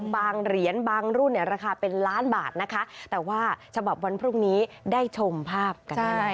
เหรียญบางรุ่นเนี่ยราคาเป็นล้านบาทนะคะแต่ว่าฉบับวันพรุ่งนี้ได้ชมภาพกันได้